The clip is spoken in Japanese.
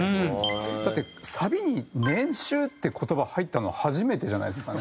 だってサビに「年収」って言葉入ったのは初めてじゃないですかね。